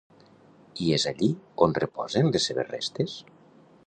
I és allí on reposen les seves restes?